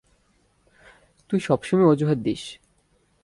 তুই সবসময় অজুহাত দিস!